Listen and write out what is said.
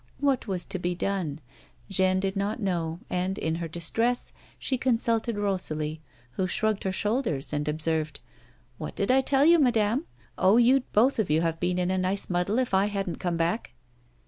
What was to be done 1 Jeanne did not know, and, in her distress, she consulted Eosalie who shrugged her shoulders, and observed, " What did I tell you, madame 1 Oh, you'd both of you have been in a nice muddle if I hadn't come back."